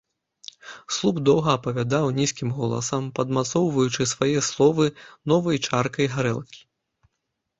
Слуп доўга апавядаў нізкім голасам, падмацоўваючы свае словы новай чаркай гарэлкі.